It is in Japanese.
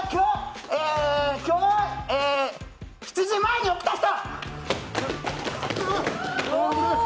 今日、７時前に起きた人。